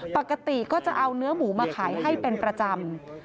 ปกติก็จะเอาเนื้อหมูมาขายให้เป็นประจำ